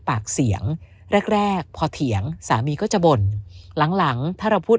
ปากเสียงแรกแรกพอเถียงสามีก็จะบ่นหลังหลังถ้าเราพูด